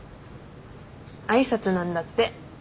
挨拶なんだって。